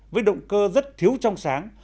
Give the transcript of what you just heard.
với động cơ rất thiếu trong sáng